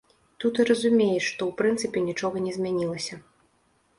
Тут і разумееш, што ў прынцыпе нічога не змянілася.